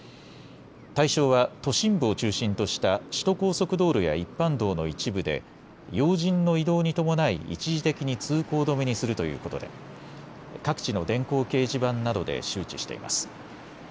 対象は都心部を中心とした首都高速道路や一般道の一部で要人の移動に伴い一時的に通行止めにするということで各地の電光掲示板などで周知しています。